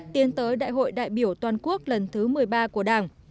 tiến tới đại hội đại biểu toàn quốc lần thứ một mươi ba của đảng